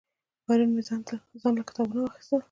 پرون مې ځان له کتابونه واغستل